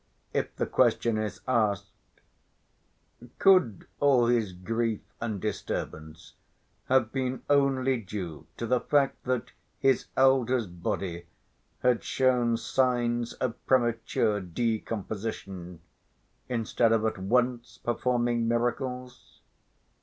If the question is asked: "Could all his grief and disturbance have been only due to the fact that his elder's body had shown signs of premature decomposition instead of at once performing miracles?"